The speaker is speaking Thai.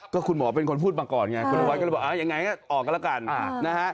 ก็คุณหมอเป็นคนพูดมาก่อนไงคุณนวัดก็เลยบอกยังไงก็ออกกันแล้วกันนะฮะ